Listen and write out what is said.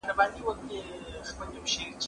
زه به اوږده موده کتابونه ليکلي وم.